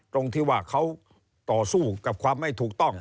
ตรงที่ว่าเขาต่อสู้กับความไม่ถูกต้อง